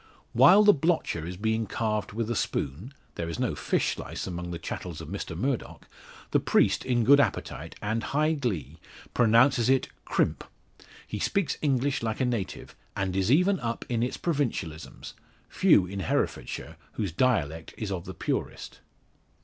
While the blotcher is being carved with a spoon there is no fish slice among the chattels of Mr Murdock the priest in good appetite, and high glee, pronounces it "crimp." He speaks English like a native, and is even up in its provincialisms; few in Herefordshire whose dialect is of the purest.